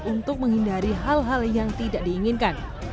untuk menghindari hal hal yang tidak diinginkan